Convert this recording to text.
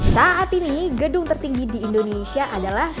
saat ini gedung tertinggi di indonesia adalah